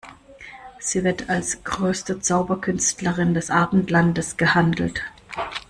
Sie wird als größte Zauberkünstlerin des Abendlandes gehandelt.